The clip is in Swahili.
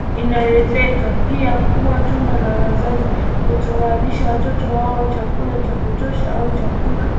inawezeka pia kuwa tunda la wazazi kutowalisha watoto wao chakula cha kutosha au chakula